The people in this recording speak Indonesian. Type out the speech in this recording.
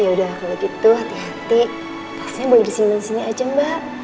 yaudah kalau gitu hati hati pastinya boleh disimpan di sini aja mbak